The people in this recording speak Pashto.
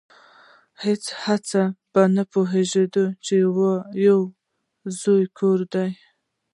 هیڅوک به نه پوهیږي چې دا یو زوړ کور دی